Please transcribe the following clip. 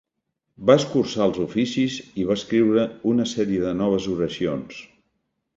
Va escurçar els oficis i va escriure una sèrie de noves oracions.